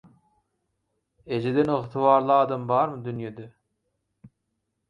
Ejeden ygtybarly adam barmy dünýede?